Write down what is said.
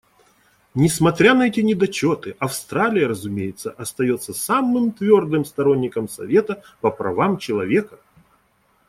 Несмотря на эти недочеты, Австралия, разумеется, остается самым твердым сторонником Совета по правам человека.